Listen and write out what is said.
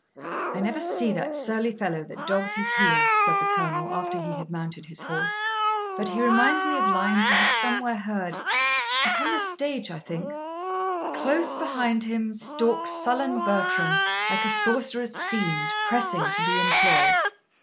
'I never see that surly fellow that dogs his heels,' said the Colonel, after he had mounted his horse, 'but he reminds me of lines I have somewhere heard upon the stage, I think: Close behind him Stalks sullen Bertram, like a sorcerer's fiend, Pressing to be employed.